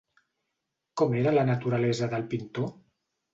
Com era la naturalesa del pintor?